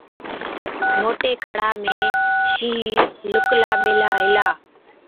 موٽي کڙا ۾ شِينهِين لُڪلا ٻيهلا هِلا۔